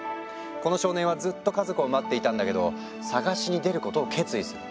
この少年はずっと家族を待っていたんだけど捜しに出ることを決意する。